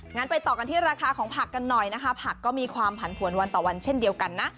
งั้นไปต่อกันที่ราคาของผักกันหน่อยนะคะผักก็มีความผันผวนวันต่อวันเช่นเดียวกันนะ